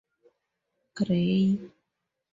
Gray.